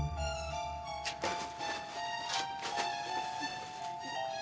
terima kasih aponi